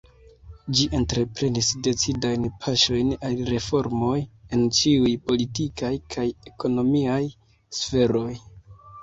Ĝi entreprenis decidajn paŝojn al reformoj en ĉiuj politikaj kaj ekonomiaj sferoj.